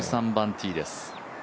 １３番ティーです。